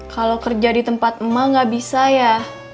kalau kerja di tempat emak nggak bisa ya